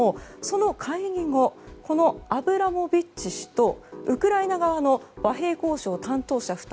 その会議後このアブラモビッチ氏とウクライナ側の和平交渉担当者